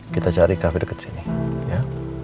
kita cari cafe deket sini ya